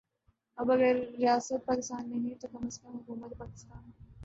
اب اگر ریاست پاکستان نہیں تو کم از کم حکومت پاکستان